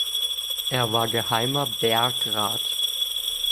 Er war Geheimer Bergrat.